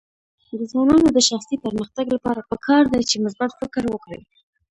د ځوانانو د شخصي پرمختګ لپاره پکار ده چې مثبت فکر وکړي.